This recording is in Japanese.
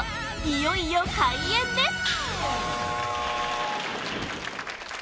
いよいよ開演です！